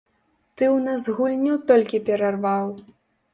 Ты ў нас гульню толькі перарваў!